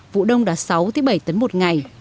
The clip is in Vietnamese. vụ đông đạt sáu bảy tấn một ngày